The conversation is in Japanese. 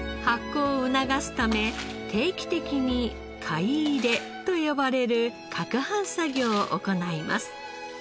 発酵を促すため定期的に櫂入れと呼ばれる攪拌作業を行います。